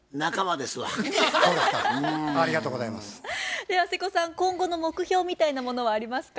では瀬古さん今後の目標みたいなものはありますか？